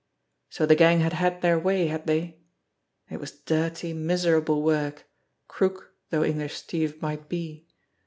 So the gang had had their way, had they? It was dirty, miserable work, crook though English Steve might be!